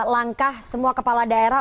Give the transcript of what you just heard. langkah semua kepala daerah